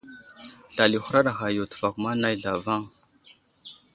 Slal i huraɗ ghay yo tefakuma nay zlavaŋ.